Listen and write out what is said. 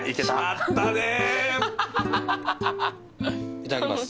いただきます。